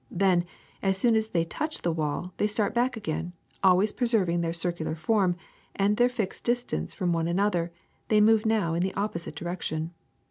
Then, as soon as they touch the wall, they start back again; always preserving their circular form and their fixed distance from one another, they move now in the opposite direction.